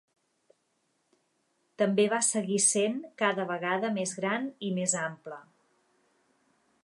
També va seguir sent cada vegada més gran i més ample.